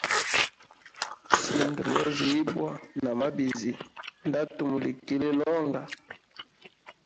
Sinda lyozi ibwa namabizi ndatumulikilila onga.